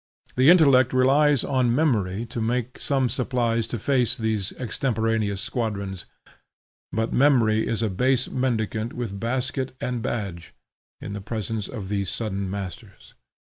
The intellect relies on memory to make some supplies to face these extemporaneous squadrons. But memory is a base mendicant with basket and badge, in the presence of these sudden masters.